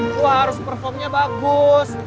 lu harus performnya bagus